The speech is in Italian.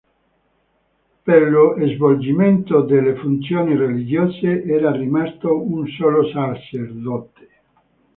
Per lo svolgimento delle funzioni religiose era rimasto un solo sacerdote.